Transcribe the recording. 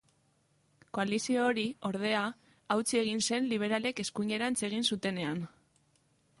Koalizio hori, ordea, hautsi egin zen liberalek eskuinerantz egin zutenean.